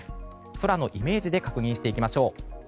空のイメージで確認していきましょう。